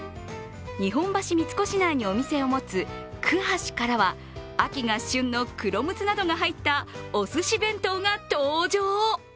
日本橋三越内にお店を持つ紅はしからは秋が旬のくろむつなどが入ったおすし弁当が登場。